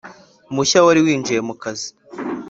mushya wari winjiye mukazi.